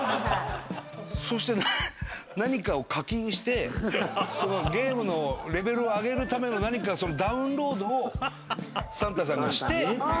そして何かを課金してゲームのレベルを上げるために何かダウンロードをサンタさんがして。